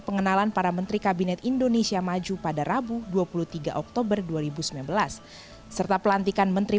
pengenalan para menteri kabinet indonesia maju pada rabu dua puluh tiga oktober dua ribu sembilan belas serta pelantikan menteri